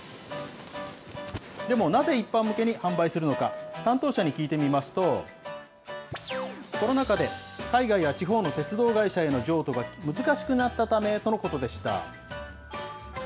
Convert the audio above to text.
でもなぜ一般向けに販売するのか、担当者に聞いてみますと、コロナ禍で海外や地方の鉄道会社への譲渡が難しくなったためとのことでした。